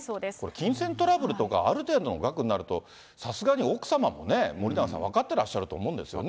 金銭トラブルとかある程度の額になると、さすがに奥様もね、森永さん、分かってらっしゃると思うんですよね。